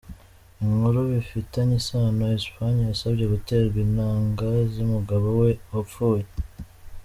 Inkuru bifitanye isano: Espagne: Yasabye guterwa intanga z’umugabo we wapfuye.